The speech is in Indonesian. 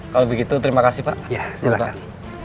kalau begitu terima kasih pak